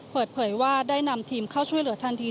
เปิดเผยว่าได้นำทีมเข้าช่วยเหลือทันที